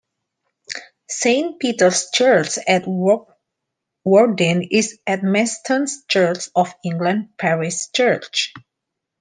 Saint Peter's Church at Wrockwardine is Admaston's Church of England parish church.